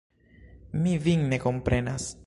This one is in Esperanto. Mi vin ne komprenas!